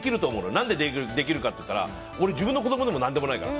何でできるかっていったら俺自分の子供で何でもないから。